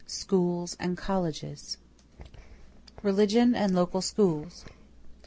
SCHOOLS AND COLLEGES =Religion and Local Schools.